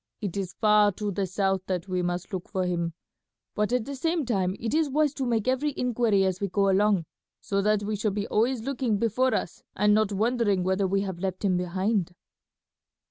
It is far to the south that we must look for him; but at the same time it is wise to make every inquiry as we go along, so that we shall be always looking before us and not wondering whether we have left him behind."